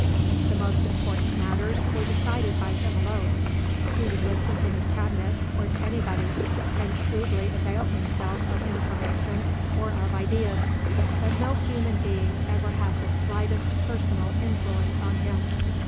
The most important matters were decided by him alone. He would listen to his Cabinet, or to anybody, and shrewdly avail himself of information or of ideas, but no human being ever had the slightest personal influence on him.